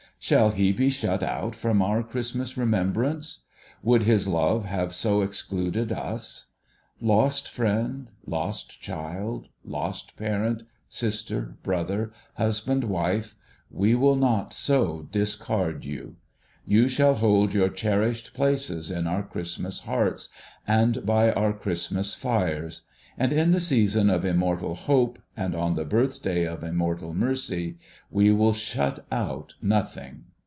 Shall he be shut out from our Christmas remembrance ? Would his love have so excluded us ? Lost friend, lost child, lost parent, sister, brother, husband, wife, we will not so discard you ! You shall hold your cherished places in our Christmas hearts, and by our Christmas fires ; and in the season of immortal hope, and on the birthday of immortal mercy, we will shut out Nothing